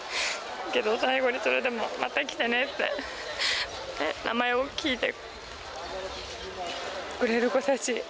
けど最後にそれでも「また来てね」って名前を聞いてくれる子たち。